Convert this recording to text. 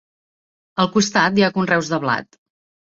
Al costat, hi ha conreus de blat.